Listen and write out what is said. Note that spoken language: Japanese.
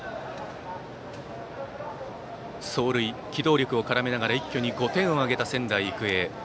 走塁、機動力を絡めながら一挙に５点を挙げた仙台育英。